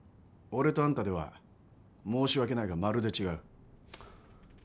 俺とあんたでは申し訳ないがまるで違う。